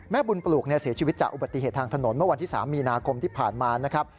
บุญปลูกเสียชีวิตจากอุบัติเหตุทางถนนเมื่อวันที่๓มีนาคมที่ผ่านมานะครับ